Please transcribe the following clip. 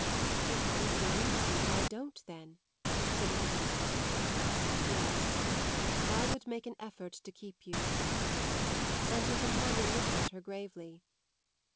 "It will be for you to see that I don't then," said Isabel. "Yes; I would make an effort to keep you." And her companion looked at her gravely.